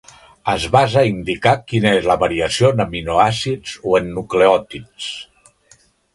Es basa a indicar quina és la variació en aminoàcids o en nucleòtids.